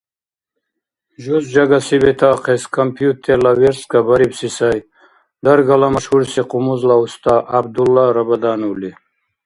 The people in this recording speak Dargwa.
Жуз жагаси бетаахъес компьютерла верстка барибси сай даргала машгьурси къумузла уста ГӀябдулла Рабадановли.